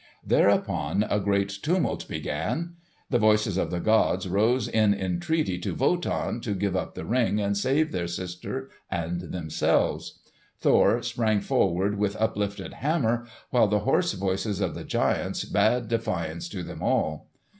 Thereupon a great tumult began. The voices of the gods rose in entreaty to Wotan to give up the Ring and save their sister and themselves. Thor sprang forward with uplifted hammer, while the hoarse voices of the giants bade defiance to them all.